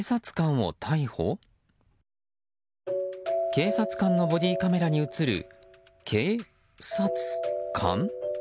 警察官のボディーカメラに映る警察官？